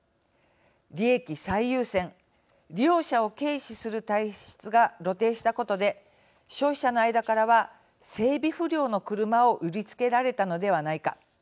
利益最優先利用者を軽視する体質が露呈したことで消費者の間からは整備不良の車を売りつけられたのではないか。